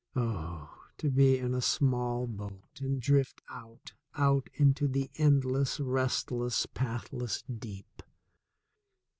Oh, to be in a small boat and drift out, out into the endless, restless, pathless deep!